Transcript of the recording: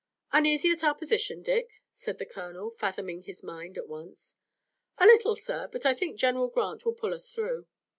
"Uneasy at our position, Dick?" said the colonel, fathoming his mind at once. "A little, sir, but I think General Grant will pull us through."